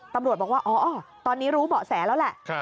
ตำรวจบอกว่าอ๋อตอนนี้รู้เบาะแสแล้วแหละ